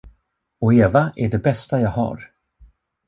Och Eva är det bästa jag har.